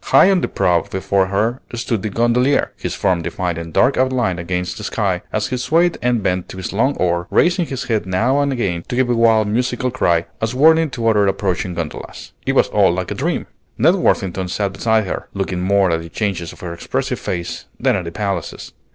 High on the prow before her stood the gondolier, his form defined in dark outline against the sky, as he swayed and bent to his long oar, raising his head now and again to give a wild musical cry, as warning to other approaching gondolas. It was all like a dream. Ned Worthington sat beside her, looking more at the changes in her expressive face than at the palaces.